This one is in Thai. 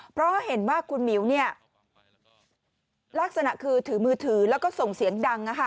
เพราะเห็นว่าคุณหมิวเนี่ยลักษณะคือถือมือถือแล้วก็ส่งเสียงดัง